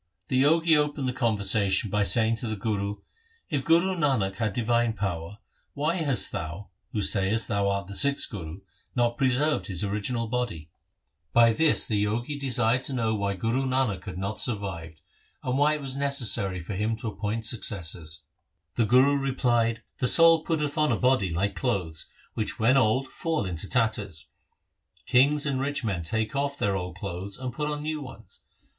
The Jogi opened the conversation by saying to the Guru, ' If Guru Nanak had divine power, why hast thou, who sayest thou art the sixth Guru, not preserved his original body ?' By this the Jogi LIFE OF GURU HAR GOBIND 59 desired to know why Guru Nanak had not survived, and why it was necessary for him to appoint suc cessors. The Guru replied, ' The soul putteth on a body like clothes which when old fall into tatters. Kings and rich men take off their old clothes and put on new ones.